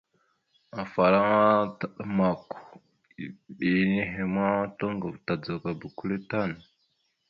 Afalaŋa taɗəmak eɗe henne ma, toŋgov tadzagaba kʉle tan.